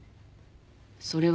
それは。